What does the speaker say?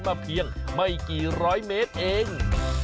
เพียงไม่กี่ร้อยเมตรเอง